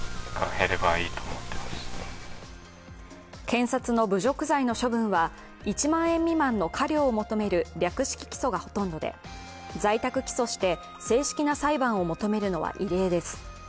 検察の侮辱罪の処分は１万円未満の科料を求める略式起訴がほとんどで、在宅起訴して、正式な裁判を求めるのは異例です。